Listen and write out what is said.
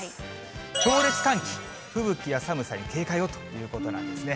強烈寒気、吹雪や寒さに警戒をということなんですね。